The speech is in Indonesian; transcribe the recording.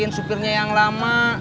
bikin supirnya yang lama